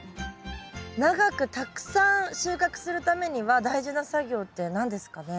長くたくさん収穫するためには大事な作業って何ですかね？